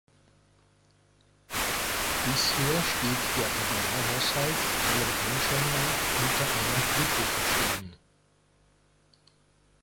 Bisher steht der Agrarhaushalt allem Anschein nach unter einem glücklichen Stern.